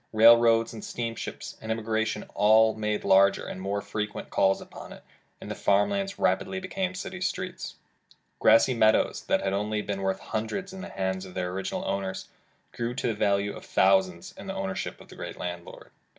Railroads and steam ships and immigration all made larger and more fre 246 Landlord and Airlord quent calls upon it, and the farm lands rapidly became city streets. Grassy meadows that had only been worth hundreds in the hands of their original owners, grew to the value of thousands in the ownership of the great landlord.